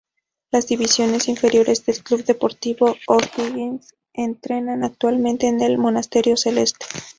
Las divisiones inferiores del Club Deportivo O'Higgins, entrenan actualmente en el Monasterio Celeste.